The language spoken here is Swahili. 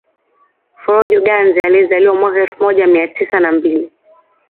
Forojo Ganze aliyezaliwa mwaka elfu moja mia tisa na mbili